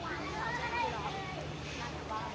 สวัสดีครับทุกคน